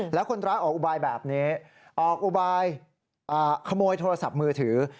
แล้วคนร้ายออกอุบายแบบนี้ออกอุบายขโมยโทรศัพท์มือถือ